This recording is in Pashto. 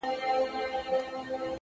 اخلاص د نیکۍ ښکلا زیاتوي؛